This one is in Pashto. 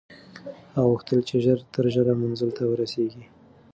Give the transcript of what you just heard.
هغه غوښتل چې ژر تر ژره منزل ته ورسېږي.